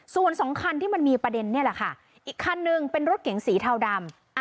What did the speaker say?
ส่วนสองคันที่มันมีประเด็นนี่แหละค่ะอีกคันนึงเป็นรถเก๋งสีเทาดำ